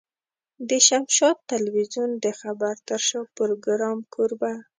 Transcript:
د شمشاد ټلوېزيون د خبر تر شا پروګرام کوربه.